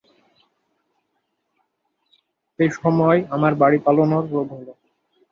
এই সময় আমার বাড়ি-পালোনর রোগ হল।